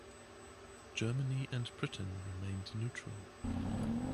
Germany and Britain remained neutral.